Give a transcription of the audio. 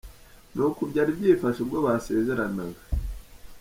Ni uku byari byifashe ubwo basezeranaga.